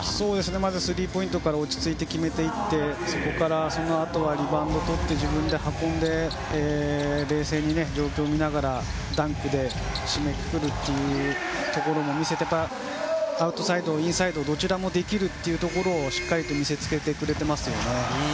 まずスリーポイントから落ち着いて決めていってそこからそのあとはリバウンドをとって自分で運んで冷静に状況を見ながらダンクで締めくくるというところを見せてアウトサイド、インサイドどちらもできるところをしっかり見せつけてくれました。